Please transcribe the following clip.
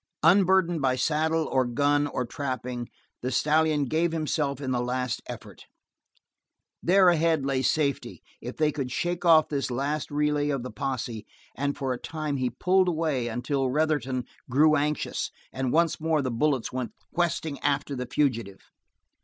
Unburdened by saddle or gun or trapping, the stallion gave himself in the last effort. There ahead lay safety, if they could shake off this last relay of the posse, and for a time he pulled away until Retherton grew anxious, and once more the bullets went questing around the fugitive.